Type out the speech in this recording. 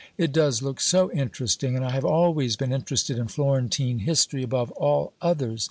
It does look so interesting, and I have always been interested in Florentine history above all others.